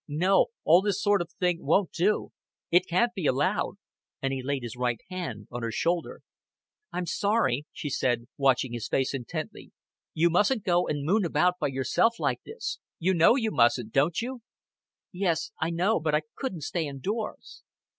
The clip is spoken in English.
"No, all this sort of thing won't do; it can't be allowed;" and he laid his right hand on her shoulder. "I'm sorry," she said, watching his face intently. "You mustn't go and moon about by yourself, like this. You know you mustn't, don't you?" "Yes, I know. But I couldn't stay indoors."